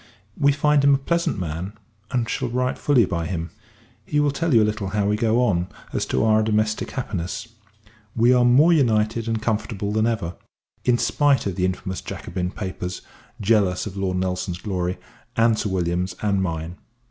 We find him a pleasant man; and shall write fully by him. He will tell you a little how we go on, as to our domestic happiness. We are more united and comfortable than ever, in spite of the infamous Jacobin papers, jealous of Lord Nelson's glory, and Sir William's and mine.